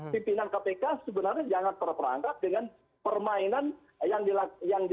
pimpinan kpk sebenarnya jangan terperangkap dengan permainan yang dilakukan